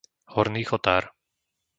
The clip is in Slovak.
Horný chotár